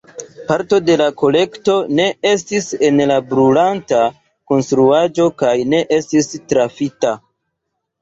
Parto de la kolekto ne estis en la brulanta konstruaĵo kaj ne estis trafita.